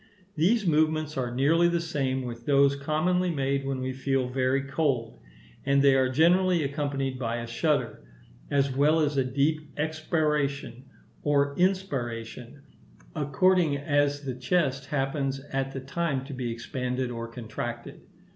These movements are nearly the same with those commonly made when we feel very cold; and they are generally accompanied by a shudder, as well as by a deep expiration or inspiration, according as the chest happens at the time to be expanded or contracted.